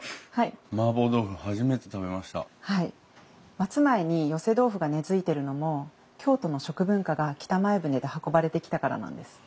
松前に寄せ豆腐が根づいてるのも京都の食文化が北前船で運ばれてきたからなんです。